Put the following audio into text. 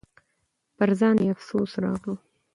پر ځان مې افسوس راغلو .